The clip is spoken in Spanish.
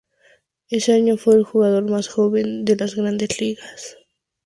Ese año fue el jugador más joven de las grandes ligas.